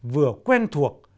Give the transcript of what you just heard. vừa quen thuộc